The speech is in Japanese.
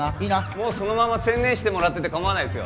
もうそのまま専念してもらっててかまわないですよ